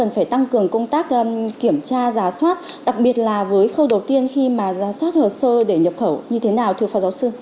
và ra soát hồ sơ để nhập khẩu như thế nào thưa phó giáo sư